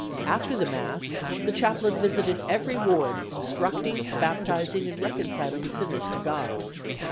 After the Mass the chaplain visited every ward instructing, baptizing and reconciling sinners to God.